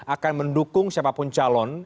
akan mendukung siapapun calon